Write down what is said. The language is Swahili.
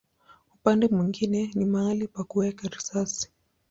Upande mwingine ni mahali pa kuweka risasi.